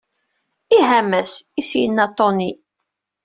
Ih, a mass, i s-yenna Tony.